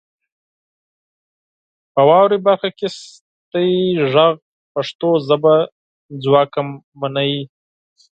په واورئ برخه کې ستاسو غږ پښتو ژبه ځواکمنوي.